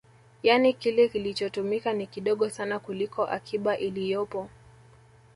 Yani kile kilichotumika ni kidogo sana kuliko akiba iliyopo